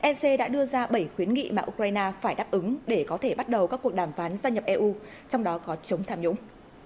ec đã đưa ra bảy khuyến nghị mà ukraine phải đáp ứng để có thể bắt đầu các cuộc đàm phán gia nhập eu trong đó có chống tham nhũng